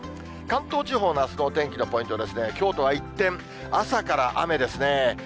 関東地方のあすのお天気のポイント、きょうとは一転、朝から雨ですね。